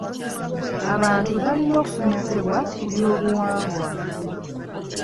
Abantu balina okusomesebwa ku byobuwangwa .